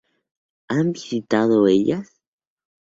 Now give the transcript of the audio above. ¿Han visitado ellas?